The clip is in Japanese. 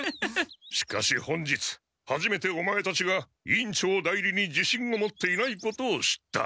しかし本日はじめてオマエたちが委員長代理にじしんを持っていないことを知った。